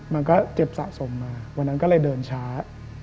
มันก็เจ็บสะสมมาวันนั้นก็เลยเดินช้า